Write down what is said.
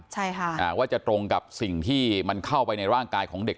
ใช่ค่ะอ่าว่าจะตรงกับสิ่งที่มันเข้าไปในร่างกายของเด็ก